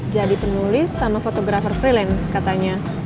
jadi penulis sama fotografer freelance katanya